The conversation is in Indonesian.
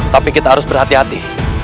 tapi kita harus berhati hati